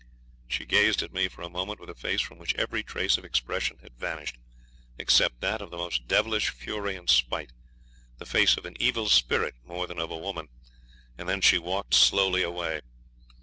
She gazed at me for a moment with a face from which every trace of expression had vanished, except that of the most devilish fury and spite the face of an evil spirit more than of a woman; and then she walked slowly away.